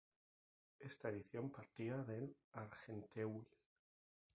Esta edición partía de Argenteuil.